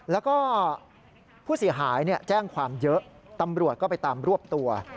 แล้วก็ผู้เสียหายแจ้งความเยอะตำรวจก็ไปตามรวบตัว